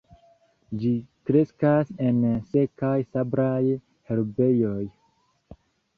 Ĝi kreskas en sekaj sablaj herbejoj.